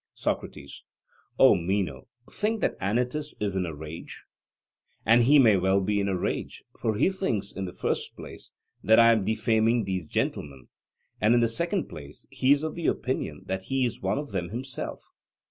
SOCRATES: O Meno, think that Anytus is in a rage. And he may well be in a rage, for he thinks, in the first place, that I am defaming these gentlemen; and in the second place, he is of opinion that he is one of them himself.